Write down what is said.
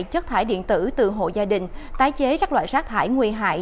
thu gom chất thải điện tử từ hộ gia đình tái chế các loại rác thải nguy hại